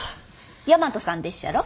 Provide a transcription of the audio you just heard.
大和さんでっしゃろ？